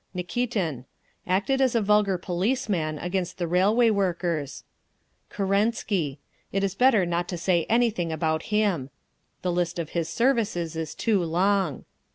Nikitin: acted as a vulgar policeman against the Railway Workers. Kerensky: it is better not to say anything about him. The list of his services is too long….